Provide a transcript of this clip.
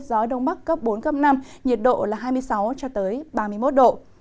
gió đông bắc cấp bốn năm nhiệt độ là hai mươi sáu ba mươi một độ